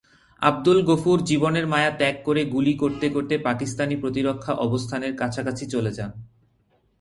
আবদুল গফুর জীবনের মায়া ত্যাগ করে গুলি করতে করতে পাকিস্তানি প্রতিরক্ষা অবস্থানের কাছাকাছি চলে যান।